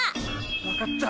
分かった。